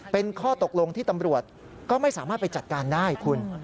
เป็นข้อตกลงที่ตำรวจก็ไม่สามารถไปจัดการได้คุณ